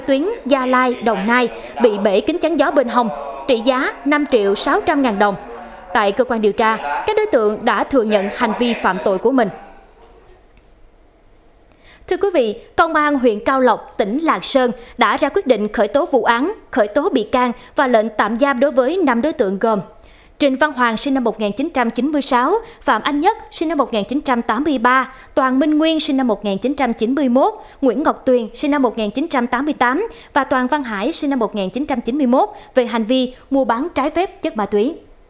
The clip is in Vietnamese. trịnh văn hoàng sinh năm một nghìn chín trăm chín mươi sáu phạm anh nhất sinh năm một nghìn chín trăm tám mươi ba toàn minh nguyên sinh năm một nghìn chín trăm chín mươi một nguyễn ngọc tuyền sinh năm một nghìn chín trăm tám mươi tám và toàn văn hải sinh năm một nghìn chín trăm chín mươi một về hành vi mua bán trái phép chất bà túy